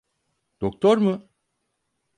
Doktor mu?